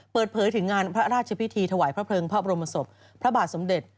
เปิดเผยถึงงานพระราชพิธีถวายพระเพลิงพระบรมศพพระบาทสมเด็จ